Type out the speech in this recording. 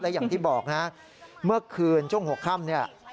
และอย่างที่บอกเมื่อคืนช่วง๖ค่ำ